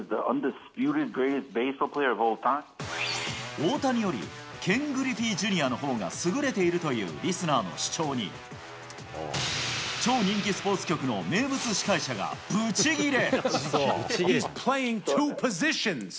大谷よりケン・グリフィーＪｒ．のほうが優れているというリスナーの主張に、超人気スポーツ局の名物司会者がブチギレ。